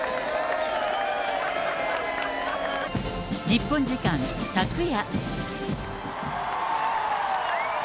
日本時間昨夜。